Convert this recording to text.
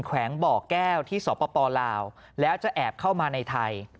แวงบ่อแก้วที่สปลาวแล้วจะแอบเข้ามาในไทย